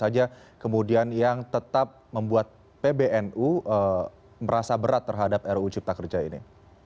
yang tetap membuat pbnu merasa berat terhadap ruu cipta kerja ini